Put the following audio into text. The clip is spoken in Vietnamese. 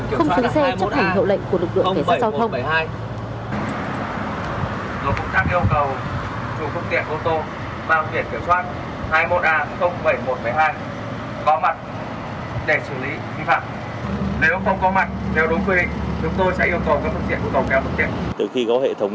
không dừng xe chấp hành hậu lệnh của lực lượng cảnh sát giao thông